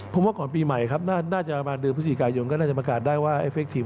ผมว่าก่อนปีใหม่ครับน่าจะประมาณเดือนพฤศจิกายนก็น่าจะประกาศได้ว่าไอเฟคทีม